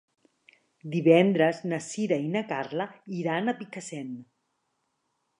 Divendres na Sira i na Carla iran a Picassent.